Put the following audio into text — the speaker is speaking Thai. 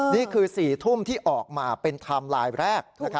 นี่คือ๔ทุ่มที่ออกมาเป็นไทม์ไลน์แรก